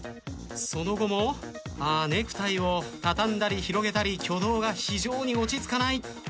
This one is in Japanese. その後もああネクタイを畳んだり広げたり挙動が非常に落ち着かない。